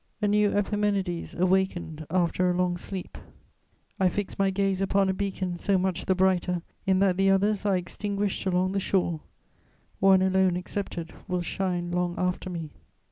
A new Epimenides, awakened after a long sleep, I fix my gaze upon a beacon so much the brighter in that the others are extinguished along the shore; one alone excepted will shine long after me.